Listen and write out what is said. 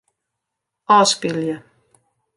Ofspylje.